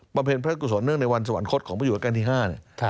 บำเพ็ญพระศักดิ์กุศลเนื่องในวันสวรรคตของประหยุดการที่๕เนี่ย